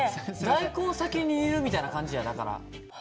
大根を先に煮るみたいな感じやだから。